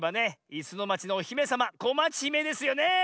「いすのまち」のおひめさまこまちひめですよねえ！